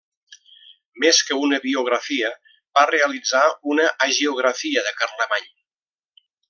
Més que una biografia, va realitzar una hagiografia de Carlemany.